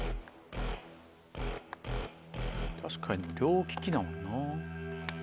確かに両利きなんやな。